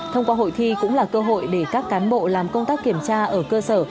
thông qua hội thi cũng là cơ hội để các cán bộ làm công tác kiểm tra ở cơ sở